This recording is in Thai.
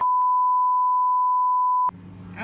ท้องแล้ว